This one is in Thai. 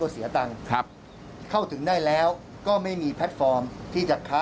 สั่งของโอ้โฮ